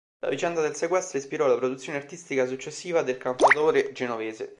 La vicenda del sequestro ispirò la produzione artistica successiva del cantautore genovese.